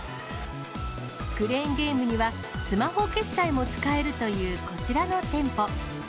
クレーンゲームには、スマホ決済も使えるというこちらの店舗。